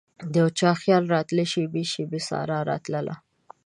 دیو چا خیال راتلي شیبې ،شیبې سارا راتلله